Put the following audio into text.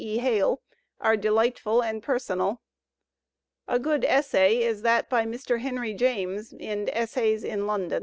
E. Hale are delightful and personal. A good essay is that by Mr. Henry James in "Essays in London."